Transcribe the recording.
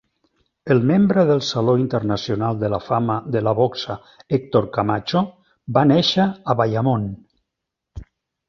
El membre del Saló Internacional de la Fama de la Boxa Hector Camacho va néixer a Bayamon.